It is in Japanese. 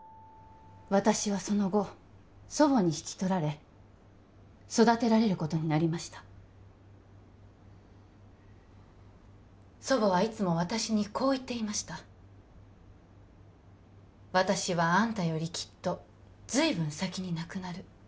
私はその後祖母に引き取られ育てられることになりました祖母はいつも私にこう言っていました「私はあんたよりきっと随分先に亡くなる」